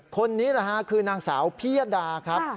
คนนี้นะฮะคือนางสาวพิยดาครับ